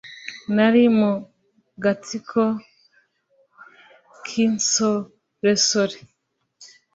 Nari mu gatsiko k insoresore